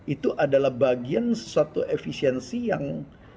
itu adalah bagian suatu efisiensi yang